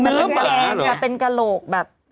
มันเนื้อปลาหรอเป็นกะโหลกแบบ